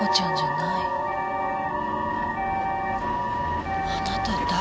あなた誰？